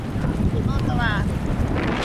リモートワーク